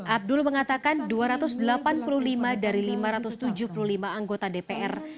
abdul mengatakan dua ratus delapan puluh lima dari lima ratus tujuh puluh lima anggota dpr